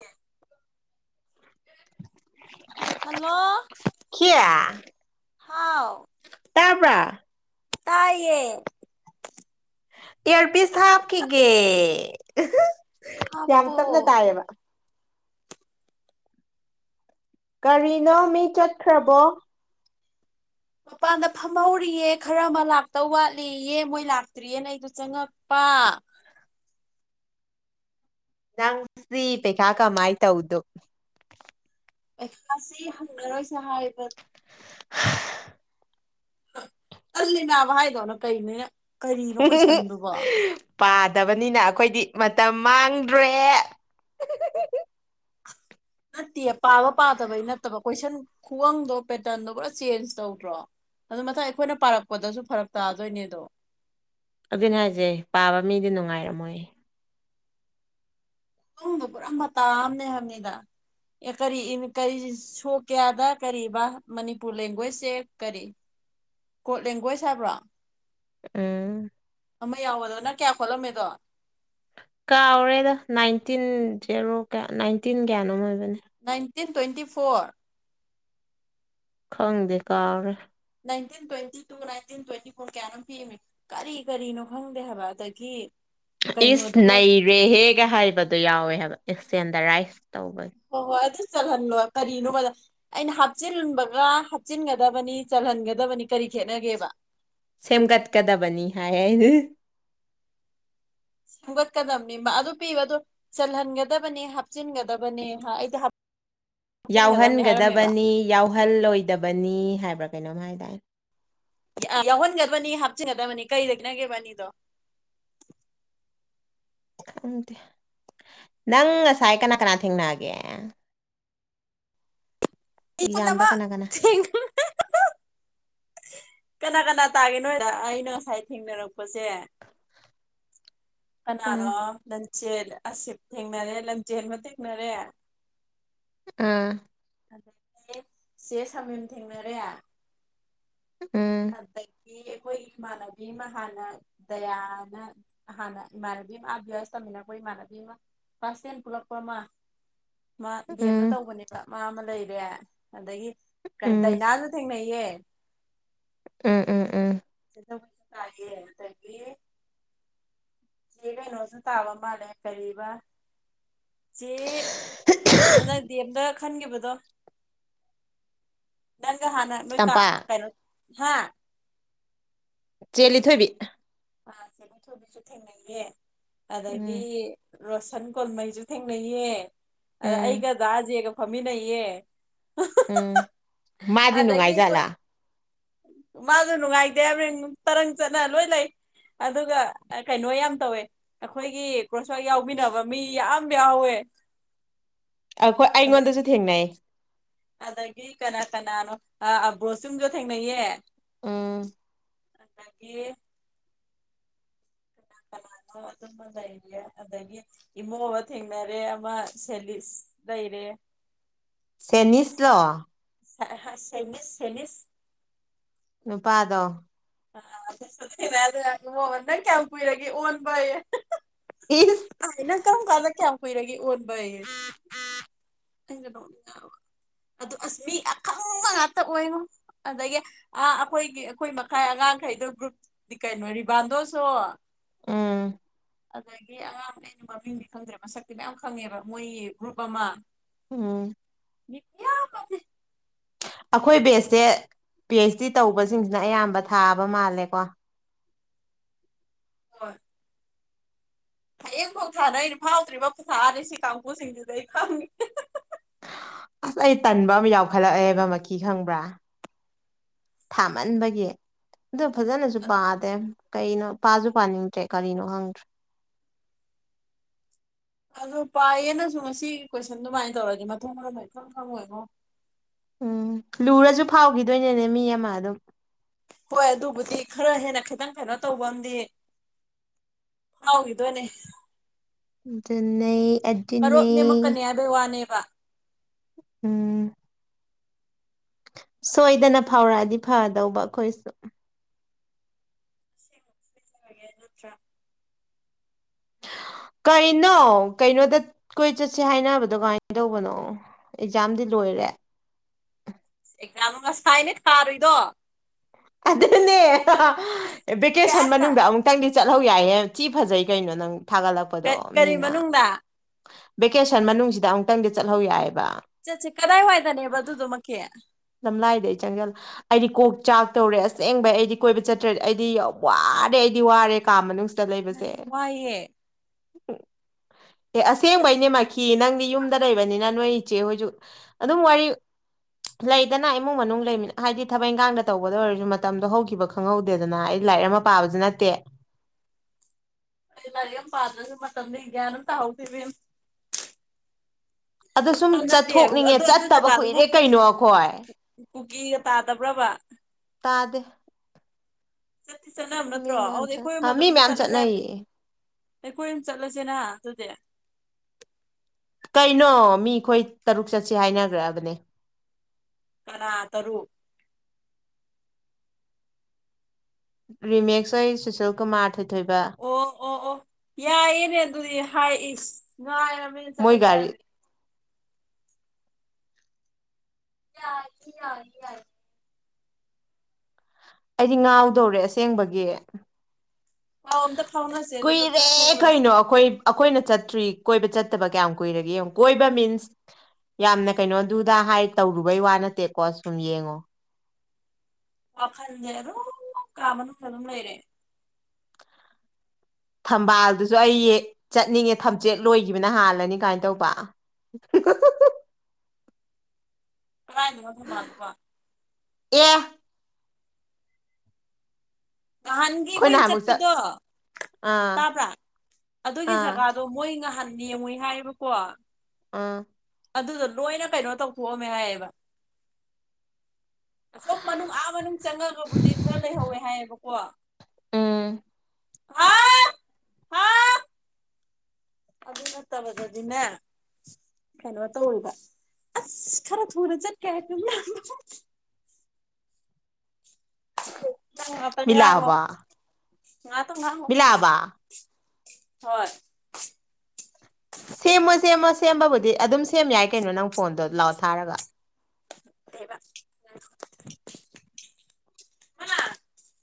ꯦ ꯍꯂꯣ ꯍꯥꯎ ꯇꯄ ꯇꯥꯏꯌꯦ ꯏꯌꯥꯔꯄꯤꯁ ꯍꯥꯞꯈꯤꯒꯦ ꯌꯥꯝ ꯍꯥꯞꯄꯣ ꯇꯅ ꯇꯥꯏꯌꯦꯕ ꯀꯔꯤꯅꯣ ꯃꯤ ꯆꯠꯈ꯭ꯔꯕꯣ ꯃꯄꯥꯟꯗ ꯐꯝꯍꯧꯔꯤꯌꯦ ꯈꯔ ꯑꯃ ꯂꯥꯛꯇꯧ ꯋꯥꯠꯂꯤꯌꯦ ꯃꯣꯏ ꯂꯥꯛꯇ꯭ꯔꯤꯌꯦꯅ ꯑꯩꯗꯣ ꯆꯪꯉꯛꯄ ꯋꯥ ꯅꯪ ꯁꯤ ꯄꯦꯛ ꯀꯥꯀꯥ ꯃꯥꯥꯏ ꯇꯎꯗꯨꯣ ꯄꯈꯁꯤ ꯍꯪꯉꯔꯣꯏꯁꯦ ꯍꯥꯏꯕ ꯑꯜꯂꯤꯅꯦꯕ ꯍꯥꯏꯗꯣꯅ ꯀꯩꯅꯦ ꯄꯥꯗꯕꯅꯤꯅ ꯑꯩꯈꯣꯏꯗꯤ ꯃꯇꯝ ꯃꯥꯡꯗ꯭ꯔꯦ ꯅꯠꯇꯦ ꯄꯥꯕ ꯄꯥꯗꯕꯩ ꯅꯠꯇꯕ ꯀꯣꯏꯁꯟ ꯈꯨꯒꯪꯗꯣ ꯄꯦꯇꯔꯟꯗꯣ ꯄꯨꯔꯥ ꯆꯦꯟꯖ ꯇꯧꯗ꯭ꯔꯣ ꯑꯗꯨ ꯃꯊꯪ ꯑꯩꯈꯣꯏꯅ ꯄꯥꯔꯛꯄꯗꯁꯨ ꯐꯔꯞ ꯇꯥꯗꯣꯏꯅꯦ ꯑꯗꯣ ꯑꯗꯨꯅ ꯍꯥꯏꯁꯩ ꯄꯥꯕ ꯃꯤꯗꯤ ꯅꯨꯡꯉꯥꯏꯔꯝꯃꯣꯏ ꯅꯗꯣ ꯄꯨꯔꯥ ꯃꯇꯥꯝꯅꯦ ꯍꯥꯃꯤꯗ ꯀꯔꯤ ꯀꯔꯤ ꯁꯣꯛ ꯀꯌꯥꯗ ꯀꯔꯤ ꯃꯅꯤꯄꯨꯔ ꯂꯦꯡꯒ꯭ꯋꯦꯁꯁꯦ ꯀꯔꯤ ꯀꯣꯔꯠ ꯂꯦꯡꯒ꯭ꯋꯦꯖ ꯍꯥꯏꯕ꯭ꯔꯣ ꯎꯝ ꯑꯃ ꯌꯥꯎꯕꯗ ꯅꯪ ꯀꯌꯥ ꯈꯣꯠꯂꯝꯃꯦꯗꯣ ꯀꯥꯥꯎꯔꯦꯗ ꯅꯥꯏꯟꯇꯤꯟ ꯖꯦꯔꯣꯌꯥ ꯅꯥꯏꯟꯇꯤꯟ ꯀꯌꯥꯅꯣ ꯑꯣꯏꯕꯅꯤ ꯑꯩꯠꯇꯤꯟ ꯇ꯭ꯋꯦꯟꯇꯤ ꯐꯣꯔ ꯇꯪꯗ ꯀꯥꯔ nineteen twenty two nineteen twenty four ꯀꯌꯥꯅꯣꯝ ꯄꯤꯃꯦ ꯀꯔꯤ ꯀꯔꯤꯅꯣ ꯈꯪꯗꯦ ꯍꯥꯏꯕ ꯑꯗꯒꯤ ꯏꯁ ꯀꯩꯅꯣꯗꯨꯕꯨ ꯅꯩꯔꯦꯍꯦꯒ ꯍꯥꯏꯕꯗꯨꯣ ꯌꯥꯎꯋꯦꯕ ꯑꯦꯛꯁꯦꯟꯗꯔꯥꯏꯁ ꯍ ꯍꯣꯏ ꯑꯗꯨ ꯆꯜꯍꯟꯂꯣꯏ ꯀꯔꯤꯅꯣ ꯍꯥꯏꯗ ꯑꯩꯅ ꯍꯥꯞꯆꯤꯟꯕꯒ ꯍꯥꯞꯆꯤꯟꯒꯗꯕꯅꯤ ꯆꯜꯍꯟꯒꯗꯕꯅꯤ ꯀꯔꯤ ꯈꯦꯠꯅꯒꯦꯕ ꯁꯦꯝꯒꯠꯀꯗꯕꯅꯤ ꯍꯥꯏ ꯁꯦꯝꯒꯠꯀꯗꯕꯅꯤ ꯑꯗꯨ ꯄꯤꯕ ꯑꯗꯨ ꯆꯜꯍꯟꯒꯗꯕꯅꯦ ꯍꯥꯞꯆꯤꯟꯒꯗꯕꯅꯦ ꯑꯩꯗꯤ ꯍꯥꯞꯆꯤꯟꯒꯗꯕꯅꯤ ꯍꯥꯏꯔꯝꯃꯦꯕ ꯌꯥꯎꯍꯟꯒꯗꯕꯅꯤ ꯌꯥꯎꯍꯜꯂꯣꯏꯗꯕꯅꯤ ꯍꯥꯏꯕ꯭ꯔꯥ ꯀꯩꯅꯣꯝ ꯍꯥꯏ ꯇꯔꯦ ꯌꯥꯎꯍꯟꯒꯗꯕꯅꯤ ꯍꯥꯞꯆꯤꯟꯒꯗꯕꯅꯤ ꯀꯔꯤꯗꯒꯤꯅꯒꯦꯕ ꯑꯅꯤꯗꯣ [unintelligible] ꯈꯪꯗꯦ ꯅꯪ ꯉꯁꯥꯏ ꯀꯅꯥ ꯀꯅꯥ ꯊꯦꯡꯅꯒꯦ ꯏꯅꯃ ꯑꯦꯛꯖꯥꯝꯗ ꯀꯅꯥ ꯀꯅꯥ ꯀꯅꯥ ꯀꯅꯥ ꯇꯥꯒꯦ ꯅꯣꯏꯗ ꯑꯩꯅ ꯉꯁꯥꯏ ꯊꯦꯡꯅꯔꯛꯄꯁꯦ ꯎꯝ ꯀꯅꯔꯣ ꯂꯟ ꯂꯝꯆꯦꯜ ꯑꯁꯤ ꯊꯦꯡꯅꯔꯦ ꯂꯝꯖꯦꯜꯕ ꯊꯦꯡꯅꯔꯦ ꯑꯥ ꯑꯩ ꯆꯦ ꯁꯃꯌꯝ ꯊꯦꯡꯅꯔꯦ ꯎꯝ ꯣꯏ ꯑꯩꯈ ꯏꯃꯥꯟꯅꯕꯤ ꯑꯃ ꯍꯥꯟꯅ ꯗꯌꯥꯅ ꯍꯥꯟꯅ ꯏꯃꯥꯟꯅꯕꯤ ꯑꯃ ꯑꯚ꯭ꯌꯥꯁ ꯇꯝꯃꯤꯅ ꯑꯩꯈꯣꯏ ꯄꯁꯦꯟ ꯄꯨꯂꯞꯄ ꯃ ꯃꯥ ꯦꯝꯗ ꯎꯝ ꯇꯧꯕꯅꯦꯕ ꯃꯥ ꯑꯃ ꯂꯩꯔꯦ ꯑꯗꯒꯤ ꯀ ꯎꯝ ꯗꯥꯏꯅꯥꯁꯨ ꯊꯦꯡꯅꯩ ꯌꯦ ꯎꯝ ꯎꯝ ꯎꯝ ꯀ ꯇ ꯆꯦ ꯀꯩꯅꯣꯁꯨ ꯇꯥꯕ ꯃꯥꯜꯂꯦ ꯀꯔꯤꯕ ꯁꯤꯦ ꯅꯗꯤꯗ ꯈꯟꯈꯤꯕꯗꯣ ꯅꯪꯒ ꯍꯥꯟꯅ ꯅꯣꯏ ꯇꯝꯄꯥꯛ ꯀꯩꯅꯣ ꯍ ꯆꯦꯜꯂꯤ ꯊꯣꯏꯕꯤ ꯑ ꯊꯨꯕꯤꯁꯨ ꯊꯦꯡꯅꯩꯌꯦꯦ ꯑꯗꯒꯤ ꯎꯝ ꯔꯣꯁꯟ ꯀꯣꯣꯟꯃꯩꯁꯨ ꯊꯦꯡꯅꯩꯌꯦ ꯑꯗ ꯎꯝ ꯑꯩꯒ ꯗꯥꯖꯦꯒ ꯐꯝꯃꯤꯟꯅꯩꯌꯦ ꯎꯝ ꯃꯥꯗꯤ ꯑꯗꯒꯤ ꯑꯩꯈꯣꯏ ꯅꯨꯅꯨꯡꯉꯥꯏꯖꯂ ꯃꯥꯁꯨ ꯅꯨꯡꯉꯥꯏꯇꯦ ꯑꯃꯡ ꯇꯔꯪ ꯆꯠꯅ ꯂꯣꯏ ꯂꯩ ꯑꯗꯨꯒ ꯀꯩꯅꯣ ꯌꯥꯝ ꯇꯧꯋꯦ ꯑꯩꯈꯣꯏꯒꯤ ꯀ꯭ꯔꯣꯁꯋꯥꯛ ꯌꯥꯎꯃꯤꯟꯅꯕ ꯃꯤ ꯌꯥꯝ ꯌꯥꯎꯍꯋ ꯍꯋꯦꯠ ꯑꯩꯈꯣꯏ ꯑꯩꯉꯣꯟꯗꯁꯨ ꯊꯦꯡꯅꯩ ꯑꯗꯒꯤ ꯀꯅꯥ ꯀꯅꯥꯅꯣ ꯑꯕ꯭ꯔꯣꯁꯤꯡꯨꯝꯁꯨ ꯊꯦꯡꯅꯩꯌꯦ ꯎꯝ ꯑꯗꯒꯤ [unintelligible] ꯑꯗꯨꯝꯕ ꯂꯩꯔꯦ ꯑꯗꯒꯤ ꯏꯃꯣꯕ ꯊꯦꯡꯅꯔꯦ ꯑꯃ ꯁꯦꯂꯤꯁ ꯂꯩꯔꯦ [unintelligible] ꯁꯦꯅꯤꯁꯂꯣ ꯁꯦꯅꯤꯁ ꯁꯦꯅꯤꯁ ꯅꯨꯄꯥꯗꯣ ꯃꯃꯟ ꯅꯪ ꯀꯌꯥꯝ ꯀꯨꯏꯔꯒꯦ ꯑꯣꯟꯕꯥꯏ ꯏꯁ ꯑꯩꯅꯪ ꯀꯔꯝ ꯀꯥꯟꯗ ꯀꯌꯥꯝ ꯀꯨꯏꯔꯒꯦ ꯑꯣꯟꯕ ꯌꯦꯅꯔ ꯑꯗꯨ ꯑꯁ ꯃꯤ ꯑꯈꯪꯕ ꯉꯥꯛꯇ ꯑꯣꯏꯅꯣ ꯑꯗꯒꯤ ꯑ ꯑꯩꯈꯣꯏꯒꯤ ꯑꯩꯈꯣꯏ ꯈꯥꯏ ꯑꯉꯥꯡꯈꯩꯗꯣ ꯒ꯭ꯔꯨꯞꯗꯤ ꯀꯩꯅꯣ ꯔꯤꯕꯥꯟꯗꯣꯁꯨ ꯎꯝ ꯑꯗꯒꯤ ꯑꯉꯥꯡ ꯑꯩꯅ ꯃꯃꯤꯡꯗꯤ ꯈꯪꯗ꯭ꯔꯦ ꯃꯁꯛꯇꯤ ꯃꯌꯥꯝ ꯈꯪꯉꯦꯕ ꯃꯣꯏꯒꯤ ꯒ꯭ꯔꯨꯞ ꯑꯃ ꯎꯝ ꯄꯤꯌꯥ ꯀꯁ ꯑꯩꯈꯣꯏ ꯕꯦꯁꯁꯦ ꯄꯤ ꯑꯩꯩꯆ ꯗꯤ ꯇꯧꯕꯁꯤꯡꯁꯤꯅ ꯑꯌꯥꯝꯕ ꯊꯥꯕ ꯃꯥꯜꯂꯦꯀꯣ ꯑꯣ ꯍꯌꯦꯡꯐꯣꯛ ꯊꯥꯅ ꯑꯩꯅ ꯐꯥꯎꯗ꯭ꯔꯤꯕ ꯄꯨꯁꯥꯅꯤ ꯁꯤ ꯀꯥꯡꯕꯨꯁꯤꯡꯗꯨꯗꯤ ꯑꯩ ꯐꯪꯉꯦ ꯑꯁ ꯑꯩ ꯇꯟꯕ ꯑꯃ ꯌꯥꯎꯈꯠꯂꯛꯑꯦꯕ ꯃꯈ ꯈꯪꯕ꯭ꯔꯥ ꯊꯥꯃꯟꯕꯒꯤ ꯑꯗꯨ ꯐꯖꯅꯁꯨ ꯄꯥꯗꯦ ꯀꯩꯅꯣ ꯄꯥꯁꯨ ꯄꯥꯅꯤꯡꯗ꯭ꯔꯦ ꯀꯔꯤꯅꯣ ꯈꯪꯗ꯭ꯔꯦ ꯑꯣ ꯄꯥꯏꯌꯦꯅꯁꯨ ꯉꯁꯤꯒꯤ ꯀꯣꯏꯁꯟ ꯑꯗꯨꯃꯥꯏꯅ ꯇꯧꯔꯗꯤ ꯃꯊꯪ ꯃꯔꯝꯛꯇꯪ ꯈꯪꯉꯣꯏꯀꯣ ꯎꯝ ꯂꯨꯔꯁꯨ ꯐꯥꯎꯈꯤꯗꯣꯏꯅꯦꯅꯦ ꯃꯤ ꯑꯃ ꯑꯗꯨꯝ ꯍꯣꯏ ꯑꯗꯨꯕꯨꯗꯤ ꯈꯔ ꯍꯦꯟꯅ ꯈꯤꯇꯪ ꯀꯩꯅꯣ ꯇꯧꯕꯝꯗꯤ ꯍꯗꯅꯦ ꯑꯗꯨꯅꯦ ꯀꯔꯣꯞ ꯑꯗꯨꯅꯦ ꯅꯦꯝꯃꯛꯀꯅꯤ ꯍꯥꯏꯕꯩ ꯋꯥꯅꯦꯕ ꯎꯝ ꯁꯣꯏꯗꯅ ꯐꯥꯎꯔꯛꯑꯗꯤ ꯐꯗꯧꯕ ꯑꯩꯈꯣꯏꯁꯨ ꯑꯁꯤꯦꯡꯖꯔꯒꯦ ꯅꯠꯇ꯭ꯔꯥ [inaudible] ꯀꯩꯅꯣ ꯀꯩꯅꯣꯗ ꯀꯣꯏ ꯆꯠꯁꯦ ꯍꯥꯏꯅꯕꯗꯣ ꯀꯃꯥꯏꯅ ꯇꯧꯕꯅꯣ ꯑꯦꯛꯖꯥꯝꯗꯤ ꯂꯣꯏ ꯑꯣꯏꯔ ꯒ ꯑꯃ ꯉꯁꯥꯏꯅꯦ ꯇꯥꯔꯨꯏꯗꯣ ꯑꯗꯨꯅꯦ ꯚꯦꯀꯦꯁꯟ ꯃꯅꯨꯡꯗ ꯑꯃꯨꯛꯇꯪꯗꯤ ꯆꯠꯍꯧ ꯌꯥꯏꯍꯦ ꯁꯤꯤ ꯐꯖꯩ ꯀꯩꯅꯣ ꯅꯪ ꯊꯥꯒꯠꯂꯛꯄꯗꯣ ꯀꯔꯤ ꯃꯤꯅ ꯃꯅꯨꯡꯗ ꯚꯦꯀꯦꯁꯟ ꯃꯅꯨꯡꯁꯤꯗ ꯑꯃꯨꯛꯇꯪꯗꯤ ꯆꯠꯍꯧ ꯌꯥꯏꯑꯕ ꯆꯠꯁꯦ ꯀꯗꯥꯏ ꯋꯥꯏꯗꯅꯦꯕ ꯑꯗꯨꯗꯨꯃꯛꯀꯤ ꯂꯝꯂꯥꯏꯗ ꯑꯩ ꯆꯪꯖꯦꯜ ꯑꯩꯗꯤ ꯀꯣꯛ ꯆꯥꯛ ꯇꯧꯔꯦ ꯑꯁꯦꯡꯕꯩ ꯑꯩꯗꯤ ꯀꯣꯏꯕ ꯆꯠꯇ꯭ꯔꯦꯗꯤ ꯑꯩꯗꯤ ꯋꯥꯔꯦ ꯑꯩꯗꯤ ꯋꯥꯔꯦ ꯀꯥ ꯃꯅꯨꯡ ꯅ ꯋꯥꯏꯌꯦꯦ ꯎꯝ ꯑꯦ ꯑꯁꯦꯡꯕꯩꯅꯦ ꯃꯈꯈꯤ ꯅꯪꯗꯤ ꯌꯨꯝꯗ ꯂꯩꯕꯅꯤꯅ ꯅꯣꯏ ꯏꯆꯦ ꯍꯧꯣꯏꯖꯤꯛ ꯑꯗꯨꯝ ꯋꯥꯔꯤ ꯂꯩꯗꯅ ꯏꯃꯨꯡ ꯃꯅꯨꯡ ꯂꯩꯃꯤ ꯍꯥꯏꯗꯤ ꯊꯕꯛ ꯏꯪꯈꯥꯡꯗ ꯇꯧꯕꯗ ꯑꯣꯏꯔꯁꯨ ꯃꯇꯝꯗꯣ ꯍꯧꯈꯤꯕ ꯈꯪꯍꯧꯗꯦꯗꯅ ꯑꯩ ꯂꯥꯏꯔꯤꯛ ꯑꯃ ꯄꯥꯕꯁꯨ ꯅꯠꯇꯦ ꯑꯗꯨ ꯔꯤ ꯌꯥꯝ ꯄꯥꯗꯁꯨ ꯃꯇꯝꯗꯤ ꯒꯅꯝ ꯇꯥꯍꯧꯁꯤꯕꯤ ꯑꯗꯣ ꯁꯨꯝ ꯅꯠꯇꯦ ꯆꯠꯊꯣꯛꯅꯤꯡꯉꯦ ꯑꯗꯨ ꯑꯗꯨ ꯆꯠꯇꯕ ꯖꯒꯥꯗꯨꯕꯨ ꯀꯨꯏꯔꯦ ꯀꯩꯅꯣ ꯑꯩꯈꯣꯏ ꯀꯨꯀꯤꯒ ꯇꯥꯗꯕ꯭ꯔꯕ ꯇꯥꯗ ꯆꯠꯇꯤ ꯆꯠꯅꯕ ꯅꯠꯇ꯭ꯔꯣ ꯑꯗꯨꯗꯤ ꯆꯠ ꯑꯩꯈꯣꯏ ꯑꯃ ꯑ ꯃꯤ ꯑꯗꯨꯝ ꯃꯌꯥꯝ ꯆꯠꯂꯁꯦ ꯍꯥꯏꯕ ꯆꯠꯅꯩꯌꯦ ꯑꯦ ꯀꯣꯏꯝ ꯆꯠꯂꯁꯤꯅ ꯑꯗꯨꯗꯤ ꯀꯩꯅꯣ ꯃꯤ ꯑꯩꯈꯣꯏ ꯇꯔꯨꯛ ꯆꯠꯁ ꯍꯥꯏꯅꯈ꯭ꯔꯕꯅꯦ ꯇꯔ ꯇꯔꯨ ꯔꯤꯃꯦꯦꯛꯁ ꯑꯣꯏ ꯁꯨꯁꯜ ꯀꯨꯃꯥꯔ ꯊꯣꯏꯊꯣꯏꯕ ꯑꯣ ꯑꯣ ꯑꯣ ꯌꯥꯏꯌꯦꯅꯦ ꯑꯗꯨꯗꯤ ꯍꯥꯏ ꯉꯑꯔꯃꯤ ꯃꯣꯏ ꯒꯥꯔꯤ ꯆꯂꯁꯔꯃꯤ ꯌꯥ ꯌꯥꯔ ꯌꯥꯔ ꯑꯩꯗꯤ ꯉꯥꯎꯗꯧꯔꯦ ꯑꯁꯦꯡꯕꯒꯤ ꯄꯥꯎ ꯑꯝꯇ ꯐꯥꯎꯅꯁꯦ ꯑꯗꯨꯒ ꯀꯨꯏꯔꯦ ꯆꯠꯊꯣꯛꯎꯔꯁꯤ ꯀꯩꯅꯣ ꯑꯩꯈꯣꯏ ꯑꯩꯈꯣꯏꯅ ꯆꯠꯇ꯭ꯔꯤ ꯀꯣꯏꯕ ꯆꯠꯇꯕ ꯀꯌꯥꯝ ꯀꯨꯏꯔꯒꯦ ꯌꯦꯡꯉ ꯀꯣꯏꯕ ꯃꯤꯟꯁ ꯌꯥꯝꯅ ꯀꯩꯅꯣꯗꯨꯗ ꯍꯥꯏ ꯇꯧꯔꯨꯕꯩ ꯋꯥ ꯅꯠꯇꯦꯀꯣ ꯁꯨꯝ ꯌꯦꯡꯉꯣ ꯋꯥꯈꯟꯗꯔꯣ ꯀꯃꯅ ꯐꯖꯝ ꯂꯩꯔꯦ ꯊꯝꯕꯥꯜꯗꯨꯁꯨ ꯑꯩ ꯆꯠꯅꯤꯡꯉꯦ ꯊꯝꯆꯦꯠ ꯂꯣꯏꯈꯤꯕꯅ ꯍꯥꯜꯂꯅꯤ ꯀꯥꯏꯅ ꯇꯧꯕ [inaudible] ꯀꯅꯤ ꯑꯣꯗ ꯃꯥꯗ ꯋꯥ ꯑꯦ ꯅꯍꯥꯟꯒꯤ ꯑꯩꯈꯣꯏꯅ ꯅꯍꯥꯟꯃꯨꯛ ꯆꯠ ꯆꯠꯄꯗꯣ ꯑꯥ ꯇꯥꯕ꯭ꯔꯥ ꯑꯗꯨꯒꯤ ꯑꯥ ꯖꯒꯥꯗꯣ ꯃꯣꯏ ꯉꯍꯥꯟ ꯌꯦꯡꯉꯨꯏ ꯍꯥꯏꯌꯦꯕꯀꯣ ꯑꯥ ꯑꯗꯨꯗꯣ ꯂꯣꯏꯅ ꯀꯩꯅꯣ ꯇꯧꯊꯣꯛꯑꯝꯃꯦ ꯍꯥꯏꯌꯦꯕ ꯑꯁꯣꯝ ꯃꯅꯨꯡ ꯑꯥ ꯃꯅꯨꯡ ꯆꯪꯉꯒꯕꯨꯗꯤ ꯈꯔ ꯂꯩꯍꯧꯋꯦ ꯍꯥꯏꯌꯦꯕꯀꯣ ꯎꯝ ꯍꯥ ꯍꯥ ꯑꯗꯨ ꯅꯠꯇꯕꯗ ꯑꯗꯨꯅꯦ ꯀꯩꯅꯣ ꯇꯧꯜꯕ ꯑꯁ ꯈꯔ ꯊꯔ ꯆꯠ ꯀ ꯀ ꯇ ꯉꯉꯣ ꯃꯤꯂꯥꯕ ꯉ ꯇ ꯉꯥꯡꯉꯣ ꯃꯤꯂꯥꯕ ꯍꯣꯏ ꯁꯦꯝꯃꯣ ꯁꯦꯝꯃꯣ ꯁꯦꯝꯕꯕꯨꯗꯤ ꯑꯗꯨꯝ ꯁꯦꯝ ꯌꯥꯏ ꯀꯩꯅꯣ ꯅꯪ ꯐꯣꯟꯗꯣ ꯂꯥꯛꯑꯣ ꯊꯥꯔꯒ ꯀꯕꯥ ꯑ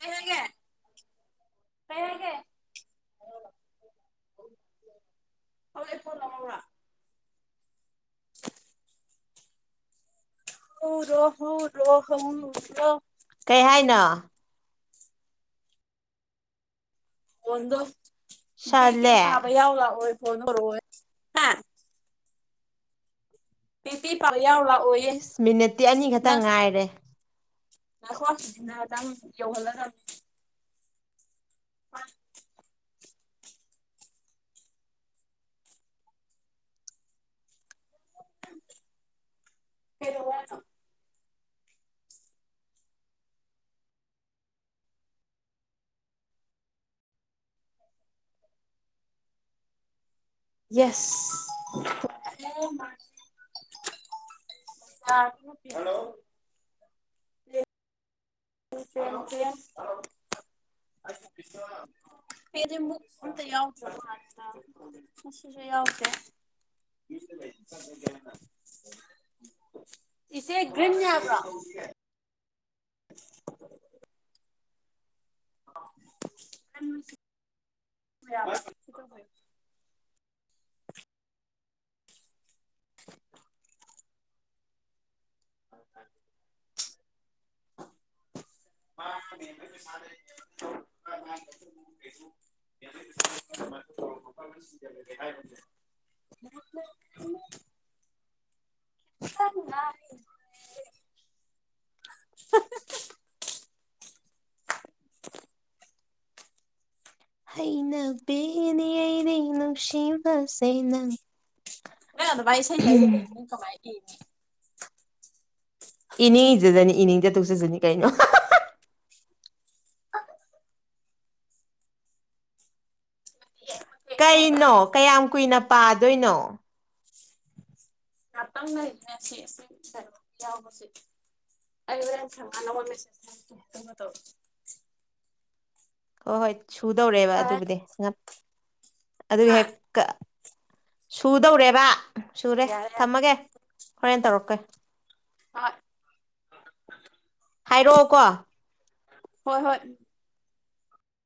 ꯀꯒꯦ ꯀꯔꯒꯦ ꯑ ꯂ ꯋꯥ ꯍ ꯔꯣꯍꯣ ꯔꯣꯍ ꯔꯣ ꯀꯩ ꯍꯥꯏꯅ ꯐꯗ ꯕꯤ ꯄꯤ ꯁꯥꯠꯂꯦ ꯄꯥꯕ ꯌꯥꯎꯂꯥ ꯍ ꯐꯅꯔ ꯍ ꯃꯤꯇꯤ ꯄꯔꯌꯥ ꯍꯕ ꯑꯣꯌꯦ ꯏꯁ ꯃꯤꯅꯤꯠꯇꯤ ꯑꯅꯤ ꯅ ꯈꯛꯇꯪ ꯉꯥꯏꯔꯦ ꯈꯣ ꯁꯤꯁꯤꯅ ꯑꯗꯨꯪ ꯌꯧꯍꯜꯂꯔꯝꯃꯤ ꯎ ꯐꯔ ꯌꯦꯁ ꯍꯥꯥ ꯊ ꯄꯤ ꯊꯦꯡ ꯄꯗꯤ ꯃꯛꯇ ꯌꯥꯎꯁ ꯌꯥꯎꯗ [unintelligible] ꯏꯆꯦ ꯒ꯭ꯔꯤꯟ ꯍꯥꯏꯕ꯭ꯔꯣ [unintelligible] [unintelligible] [unintelligible] [unintelligible] [unintelligible] [unintelligible] [unintelligible] [unintelligible] ꯍꯩꯅ ꯦꯅꯤꯌꯏꯅꯦ ꯅꯨꯡ ꯁꯤꯃ ꯁꯦ ꯅꯪ ꯅ ꯑꯗꯨꯃꯥꯏ ꯏꯁꯩ ꯁꯗ ꯀꯃꯥꯏꯅ ꯏꯅꯤ ꯏꯅꯤꯡ ꯏꯖꯗꯅꯤ ꯏꯅꯤꯡꯖꯊꯣꯛꯆꯁꯤꯅꯤ ꯀꯩꯅꯣ ꯀꯩꯅꯣ ꯀꯌꯥꯝ ꯀꯨꯏꯅ ꯄꯥꯗꯣꯏꯅꯣ ꯆꯄꯪꯅ ꯏ ꯁꯤꯔ ꯌꯥꯎꯕꯕꯁꯤꯦ ꯑꯗꯨꯅꯃ ꯇ ꯍꯣꯏ ꯍꯣꯏ ꯁꯨꯗꯧꯔꯦꯕ ꯐꯔꯦ ꯑꯗꯨꯕꯨꯗꯤ ꯑꯗꯨꯒꯤ ꯍꯥ ꯍꯦꯛ ꯁꯨꯗꯧꯔꯦꯕ ꯁꯨꯔꯦ ꯌꯥꯔꯦ ꯌꯥꯔꯦ ꯊꯝꯃꯒꯦ ꯍꯣꯔꯦꯟ ꯇꯧꯔꯛꯀꯣꯏ ꯑ ꯍꯥꯏꯔꯛꯑꯣꯀꯣ ꯍꯣꯏ ꯍꯣꯏ